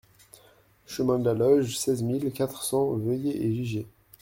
Chemin de la Loge, seize mille quatre cents Vœuil-et-Giget